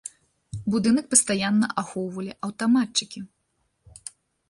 Будынак пастаянна ахоўвалі аўтаматчыкі.